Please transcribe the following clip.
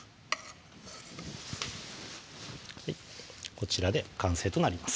こちらで完成となります